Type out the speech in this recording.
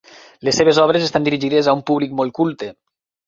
Les seves obres estan dirigides a un públic molt culte.